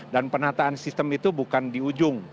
dan penataan sistem itu bukan di ujung